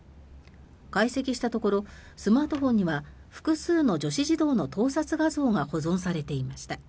解析したところスマートフォンには複数の女子児童の盗撮画像が保存されていました。